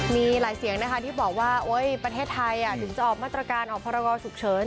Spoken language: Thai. มีหลายเสียงนะคะที่บอกว่าประเทศไทยถึงจะออกมาตรการออกพรกรฉุกเฉิน